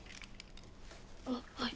あっはい。